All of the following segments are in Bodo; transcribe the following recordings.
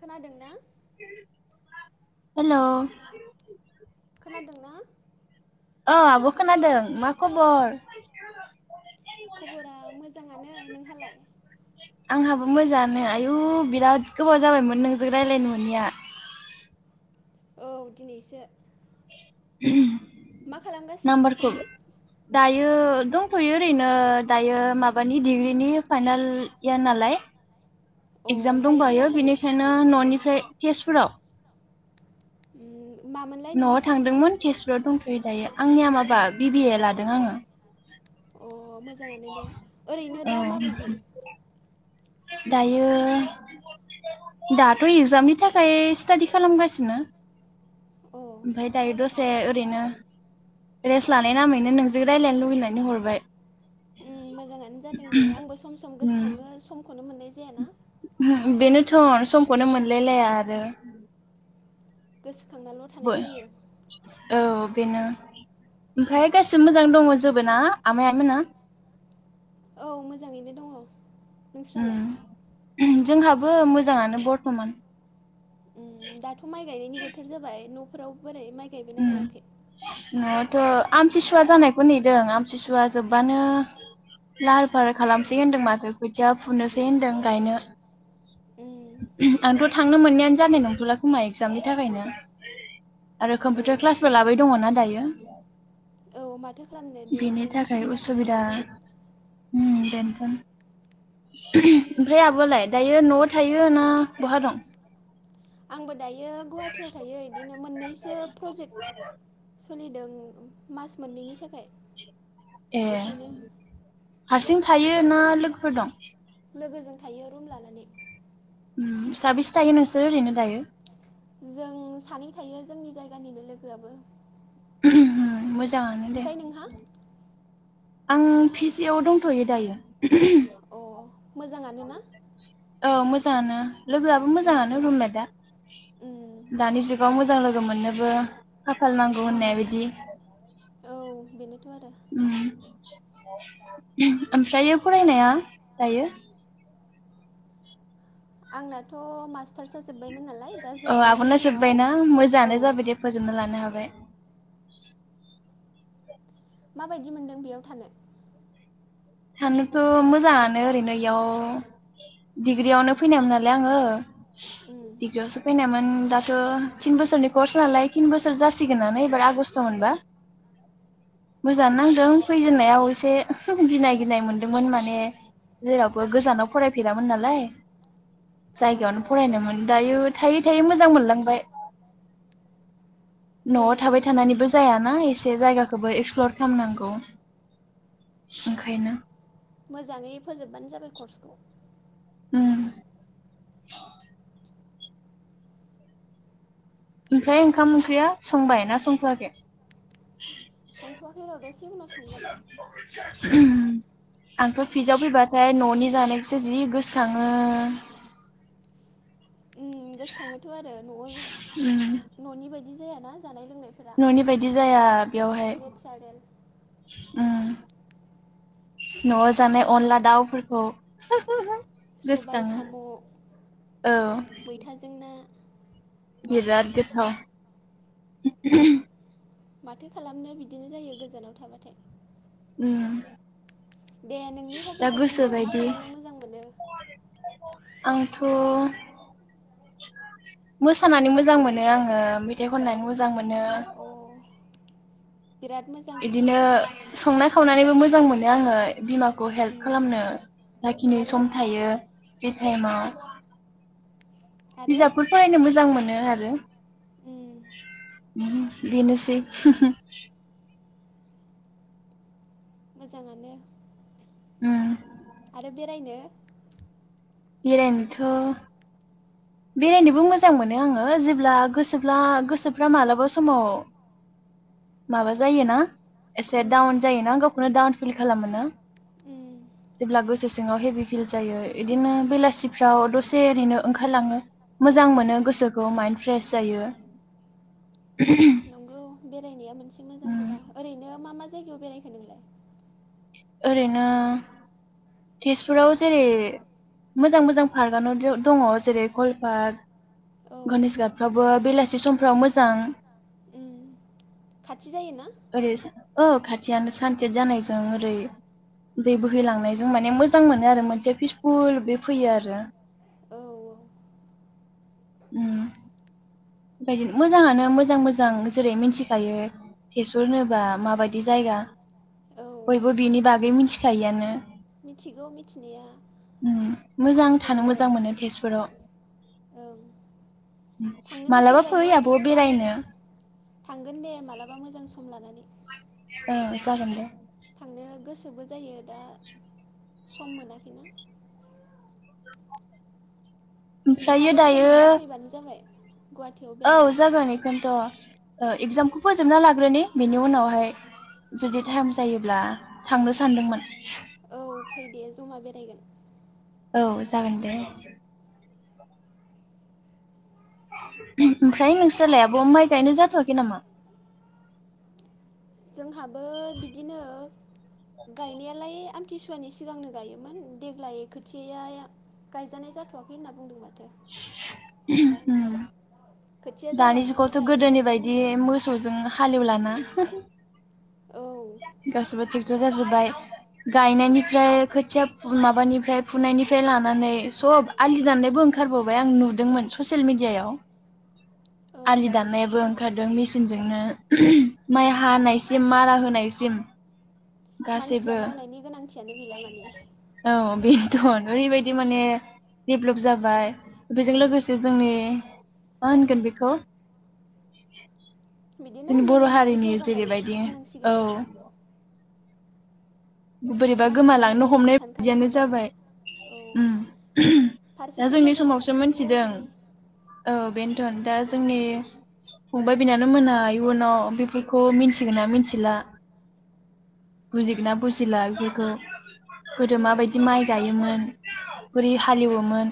खोनादों ना? हेलौ खोनादोंना? ओ आब' खोनादों मा खबर? खबरा मोजाङानो नोंहालाय? आंहाबो मोजाङानो आयु बिराद गोबाव जाबायमोन नोंजों रायलायनो मोननिया औ दिनैसो। [unintelligible] मा खालामगासिनो दासान्दि? यो दंथ'यो ओरैनो दायो माबानि डिग्रिनि फाइनाल इयार नालाय अ एगजाम दायो बहा दंबायो थायो बिनिखायनो न'नि ओमफ्राय तेजपुराव उम मामोनलाय न'आव नोंनि कर्सआ थांदोंमोन तेजपुराव दंथ' थ'यो दायो आंनिया माबा बि बि ए लादों आङो। अ मोजाङानो दे ओरैनो औ दा माबायदि? दायो दाथ' इगजामनि थाखाय स्टाडि खालामगासिनो‌। अ उम, ओमफ्राय दायो दसे ओरैनो रेस्ट लानाय नामैनो नोंजों रायजल्लायनो लुबैनानै हरबाय। उम मोजाङानो जादों दे आंबो सम सम गोसोखाङो सम खौनो मोन्नाय जायाना बेनोथ' समखौनो मोनलायलाया आरो। गोसो बय औ बेनो ओमफ्राय गासिबो मोजां दङ जोबो ना आमाइ आनै मोना? औ मोजाङैनो दङ‌। नोंस्रालाय? उम जोंहाबो मोजाङानो बर्थमान। उम दाथ' माइ गायनायनि बोथोर जाबाय न' फोराव बोरै? माइ गायबाइना गायाखै? उम न'आवथ' आमथिसुवा जानायखौ नेदों आमथिसुवा जोब्बानो लाहार फाहार खालामसै होनदों माथो खोथिया फुनोसै होनदों गायनो। उम, आंथ थांनो मोननायानो जानाय नंथ'ला खोमा एगजामनि थाखायनो। आरो कम्पिउटार अ क्लासबो लाबाय दङ ना दायो औ माथो खालामनो ‌। दे बेनि नोंनि थाखाय सुबिदाखौ उसुबिदा नायबानो जाबाय उम। ओमफ्राय आब'आलाय दायो न'आव थायो ना बहा दं। आंबो दायो गुवाहाटियाव थायो बिदिनो मोननैसो प्रजेक्ट सोलिदों मास मोननैनि थाखाय ए बेखायनो हारसिं थायो ना लोगोफोर दं लोगोजों थायो रुम लानानै उम साबेसे थायो नोंसोरो ओरैनो दायो जों सानै थायो जोंनि जायगानिनो लोगोआबो। उम मो ओमफ्राय नोंहा? आं फिजियाव दंथ'यो दायो। अ मोजाङानो ना? औ मोजाङानो। लोगोआबो उम मोजाङानो रुममेटआ। उम दानि जुगाव मोजां लोगो लोगो मोननोबो खाफाल नांगौ होननाय बिदि। बेनो [unintelligible] उ ओमफ्राय फरायनाया दायो? आंनाथ' मास्टारसो जोब अ आब'ना जोब्बायना औ मोजाङानो जाबाय दे फोजोबना लानो हाबाय। माबायदि मोनदों बेयाव थानो थानोथ' मोजाङानो ओरैनो इयाव डिग्रियावनो फैनायमोन नालाय आङो उम दिग्रियावसो फैनायमोन दाथ' थिन बोसोरनि कर्स नालाय थिन बोसोर जासिगोनानो एबार आगस्ट मोनबा मोजाङानो नांदों फैजेननायाव एसे गिनाय गिनाय मोनदोंमोन माने जेरावबो गोजानाव फरायफेरामोन नालाय। औ जायगायावनो फरायनोमोन। दायो थायै थायै मोजां मोनलांबाय। दे न'आव थाबाय मोजां थानानैबो जायाना एसे जायगाखौबो एक्सप्लर खालामनांगौ ओंखायनो मोजाङै फोजोबबानो जाबाय कर्सखौ। उम ओमफ्राय ओंखाम-ओंख्रिया संबाय ना संथ'वाखै? संथ'आखै र' द'से उनाव संगोन आंथ' पिजीआव फैबाथाय न'नि जानायखौसो जि गोसोखांङो। गोसोखांङोथ' आरो न'आव उम न'नि बायदि दि जायायााना जानाय लोंनायफोरा न'नि बायदि जाया बेयावहाय। नेचारेल उम न'आव जानाय अनला दाउफोरखौ सबाय गोसोखाङो साम' औ मैथाजों ना बिराद गोथाव [inaudible] माथो खालामनो बिदिनो जायो गोजानाव थाबाथाय। उम दे नोंनि दा हबिखौ बुंदो मा गोसोबायदि खालामनो मोजां मोनो? आंथ' मोसानानै मोजां मोनो आंङो मेथाइ खननानै मोजां मोनो अ बिराद मोजां। इदिनो संनाय खावनानैबो मोजां मोनो आंङो बिमाखौ हेल्प उम खालामनो जाखिनि आरो सम थायो बिथाइमाव आरो बिजाबफोर फरायनो मोजां मोनो आरो रो उम बिनोसै [unintelligible] मोजांङानो उम आरो बेरायनो? बेरायनोथ' बेरायनोबो मोजां मोनो आंङो जेब्ला गोसोब्ला गोसोफ्रा मालाबा समाव माबा जायोना एसे उम डाउन जायोनां गावखौनो डाउन फिल खालामोना उम जेब्ला गोसो सिङाव हेभि फिल जायो इदिनो बेलासिफ्राव दसे ओरैनो ओंखारलाङो मोजां मोनो गोसोखौ माइन्न्द फ्रेश जायो [unintelligible] नंगौ बेरायनाया मोनसे मोजां उम हुदा ओरैनो मा मा जाय खौ बेरायखो नोंलाय? ओरैनो तेजपुराव जेरै मोजां मोजां पार्कआनो दंङ जेरै कल पार्क औ गघनेश गाटफ्राबो बेलासि समफ्राव मोजां उम खाथि जायोना? औ खाथियानो सानसेद जानायजों ओरै दै बोहैलांनाय जों माने मोजां मोनो आरो मोनसे फिसफुल बे फैयो आरो औ उम बेबायदिनो मोजाङानो मोजां मोजां जेरै मिथिखायो तेजपुर होनोबा माबायदि जायगा औ बयबो बिनि बागै मिथिखायोआनो। मिथिगौ मिथिनाया उम मोजां आंसो थानो मोजां मोनो तेजपुराव ओं थांनो गोसो गोसो मालाबा फै जायो आब' थेवबो बेरायनो थांगोन दे मालाबा मोजां सम लानानै औ जागोन दे थांनो गोसो गोसोबो जायो दा सम मोनाखैना ओमफ्रायो नोंहाबो सम दायो मोनबा फैबानो जाबाय गुवाहाटियाव औ बेरायनो जागोन इखौनथ' ओ इगजामखौ फोजोबना लाग्रोनि बेनि उनावहाय जुदि टाइम जायोब्ला थांनो सानदोंमोन औ फै दे जमा बेरायगोन औ जागोन दे ओमफ्राय नोंसोरोलायाबो माइ गायनो जाथ'वाखै नामा जोंहाबो बिदिनो गायनायालाय आमथिसुवानि सिगांनो गायोमोन देग्लाय खोथियाया गायजानाय जाथ'वाखै होनना बुंदों माथो [unintelligible] उम खोथिया दानि जाबानो जुगावथ' गायगोन गोदोनि बायदि बुंदों मोसौजों हालेवला ना औ [unintelligible] गासैबो ट्रेक्ट जो जाजोब्बाय गायनायनिफ्राय खोथिया माबानिफ्राय फुनायनिफ्राय लानानै सब आलि दाननायबो ओंखारबावबाय आं नुदोंमोन ससियेल मिडियायाव आलि औ दाननायाबो ओंखारदों मिस मेसिनजोंनो माइ हानायसिम मारा होनायसिम मानसिया गासैबो मावनायनि गोनांथियानो गैला माने थन ओरैबायदि माने डेभलप जाबाय बेजों लोगोसे उम जोंनि मा होनगोन बेखौ बिदिनो जों बर' मेलेमारि हारिनि जौगानाय जेरैबायदि होननांसिगोन औ [unintelligible] बोरैबा मानसिनि गोमालांनो मेलेमनि हमनाय सानखांनो बिदियानो हानाय जाबाय औ उम दा फारसेथिं जोंनि मोजां समावसो फारसेथिं मोनथिदों गाज्रि औ बेन्थ'न दा जोंनि फंबाय बिनानाव मोना इयुनाव बेफोरखौ मिन्थिगोन ना मिथिला बुजिगोन ना बुजिला बेफोरखौ गोदो बेनोथ' माबायदि माइ आरो गायोमोन बोरै हालेवोमोन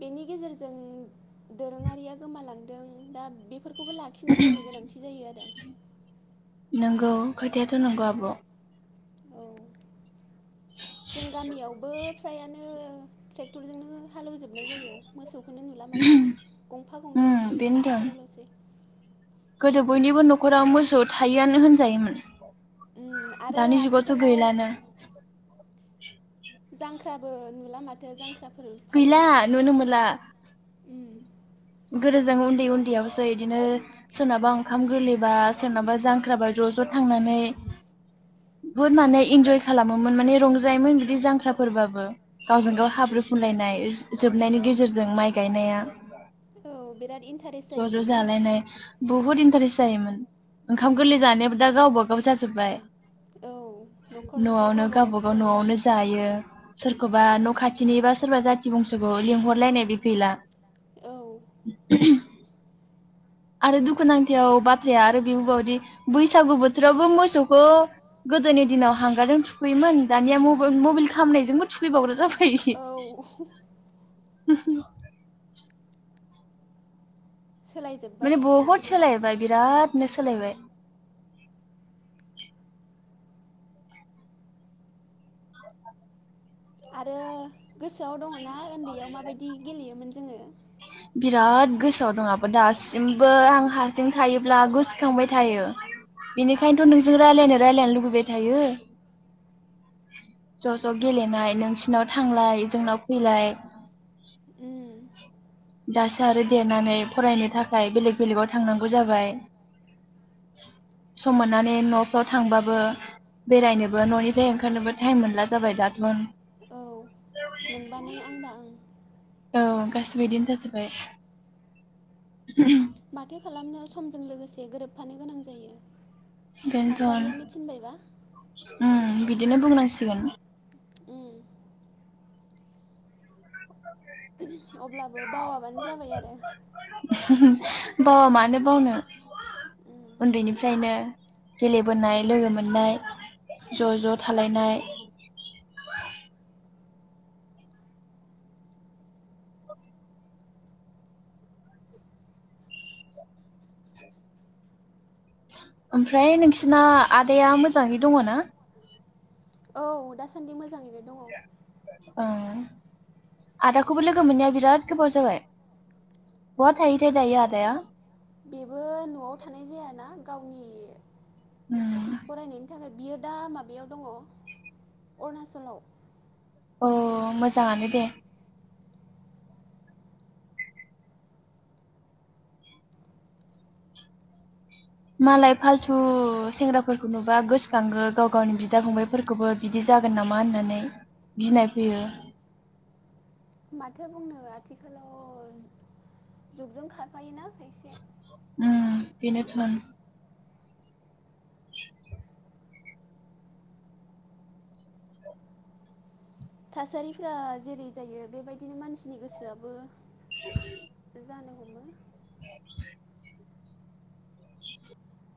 बेनि गेजेरजों दोरोङारिया गोमाालां दों दा बे बेखौबो लाखिनांगौनि गोनांथि जायो आरो नंगौ खोथायाथ' नंगौ आब' औ जों गामियावबो फ्रायानो ट्रेक्टरजोंनो हालेवजोबनाय जायो मोसौखौनो नुला माथो गंफा उम गंनैल'सै बेनोथन न'खरावल'सै गोदो बयनिबो न'खराव मोसौ थायोआनो होनजायोमोन उम आरो दानि जुगाथ' आथिखालाव गैलानो जांख्राबो नुला माथो जांख्राफोर गैला फालिनाय नुनो गोदोजों उन्दै उन्दैयावसो बिदिनो सोरनाबा ओंखाम गोरलैबा सोरनाबा जांख्राबा ज' ज' थांनानै बुहुद माने इन्जय खालामोमोन माने रंजायोमोन बिुदि जांख्राफोरबाबो गावजों गाव हाब्रु फुनलायनाय जोबनायनि गेजेरजों माइ गायनाया औ बिराद इन्टारेस्ट ज' ज' जायोमोन ना जालायनाय बहुत इन्टारेस्ट जायोमोन ओंखाम उम गोरलै जानाया दा गावबा गाव जोबबाय औ न'खर न'खर न'आवनो गावबा गावसो गावबागाव जायो दाना न'आवनो जायो सोर सोरखौबा न' खाथिनि बा सोरबा जाथि बंस'खौ लिंहरलायनाय बे गैला औ [unintelligible] आरो दुखुनांथाव बाथ्राया आरो बेबो बावोदि बैसागु बोथोरावबो मोसौखौ गोदोनि दिनाव हांगारजों थुखैयोमोन दानिया माइ मबाइल खामनायजोंबो थुखैबावग्रा जाबाय औ [inaudible] सोलायजोब्बाय माने बहुद गासिबो सोलायबाय बिराद सोलायबाय आरो गोसोआव दङ ना उन्दैयाव माबायदि गेलेयोमोन जोङो बिराद गोसोआव दं आंहाबो दासिमबो आं हारसिं थायोब्ला गोसोखांबाय थायो बेनिखायनोथ' नोंजों रायलायनो रायलायनो लुुबैबाय थायो ज' ज' गेलेनाय नोंसिनाव थांनाय जोंनाव फैलाय उम दासो आरो देरनानै फरायनो थाखाय बेलेग बेलेगाव थांनांगौ जाबाय सम मोननानै न'फ्राव थांबाबो बेरायनोबो न'निफ्राय ओंखारनोबो टाइम मोनला जाबाय दाथ' औ नोंबा नों आंबा आं औ गासैबो बिदिनो जाजोबबाय माथो खालामनो समजों लोगोसे गोरोबफानो गोनां जायो बेनोथ' थासारियानो थिनबायबा ओम बिदिनो बुंनांसिगोन ओम अब्लाबो बावाबानो जाबाय आरो बावा मानो बावनो उम उन्दैनिफ्रायनो गेलेबोनाय लोगो मोननाय ज' ज' थालायनाय ओमफ्राय नोंसिना आदाया मोजाङै दङ ना औ दासान्दि मोजाङैनो दङ आदाखौबो लोगो मोननाया बिराद गोबाव जाबाय बहा थायो थाय दायो आदाया बेबो न'आव थानाय जायाना गावनि उम फरायनायनि थाखाय बियो दा माबायाव दङ अरुणाचलाव औ मोजाङानो दे मालाय फालथु सेंग्राफोरखौ नुबा गोसोखाङो गाव गावनि बिदा फंबायफोरखौबो बिदि जागोन नामा होननानै गिनाय फैयो। माथो बुंनो आथिखालाव जुगजों खारफायोना खायसे। उ बिनोथ' [inaudible] थासारिफ्रा जेरै जायो बेबायदिनो मानसिनि गोसोआबो जानोह [inaudible] [inaudible]